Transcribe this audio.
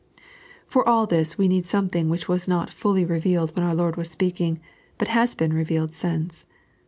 For all this we need something which was not fully revealed when our Lord was speaking, but has been revealed since.